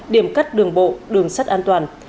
điểm cắt đường bộ đường sắt an toàn